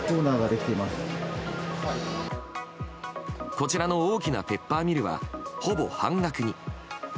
こちらの大きなペッパーミルはほぼ半額に。